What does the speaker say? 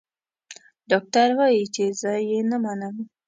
ډاکټر وايي چې زه يې نه منم.